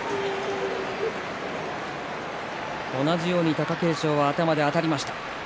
同じように貴景勝は頭であたりました。